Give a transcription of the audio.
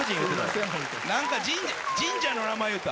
何か神社の名前言うた。